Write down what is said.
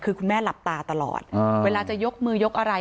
คือคุณแม่หลับตาตลอดเวลาจะยกมือยกอะไร